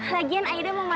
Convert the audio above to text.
lagian aida memandikan